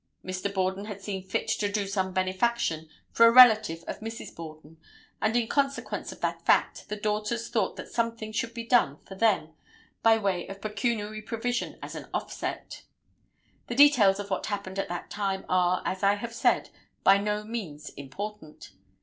Mr. Borden had seen fit to do some benefaction for a relative of Mrs. Borden, and in consequence of that fact the daughters thought that something should be done for them by way of pecuniary provision as an offset. The details of what happened at that time are, as I have said, by no means important.